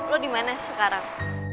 lo dimana sekarang